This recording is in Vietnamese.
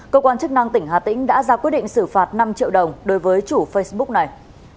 cơ quan chức năng tỉnh hà tĩnh đã ra quyết định xử phạt năm triệu đồng đối với chủ facebook này